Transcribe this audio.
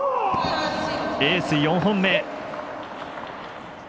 エース、４本目。